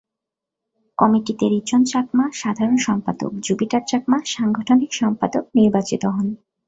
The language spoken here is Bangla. কমিটিতে রিচন চাকমা সাধারণ সম্পাদক, জুপিটার চাকমা সাংগঠনিক সম্পাদক নির্বাচিত হন।